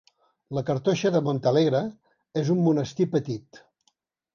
La Cartoixa de Montalegre és un monestir petit.